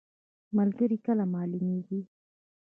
ملګری کله معلومیږي؟